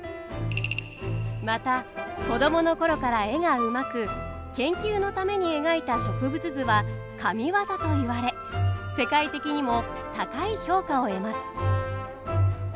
また子供の頃から絵がうまく研究のために描いた植物図は神業と言われ世界的にも高い評価を得ます。